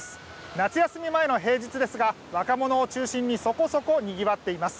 夏休み前の平日ですが若者を中心にそこそこにぎわっています。